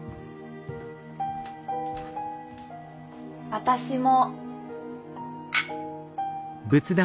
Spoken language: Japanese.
私も。